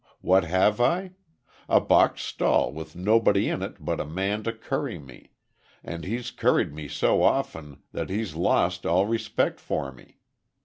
What have I? A box stall with nobody in it but a man to curry me; and he's curried me so often that he's lost all respect for me.